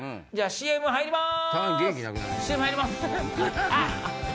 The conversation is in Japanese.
ＣＭ 入ります！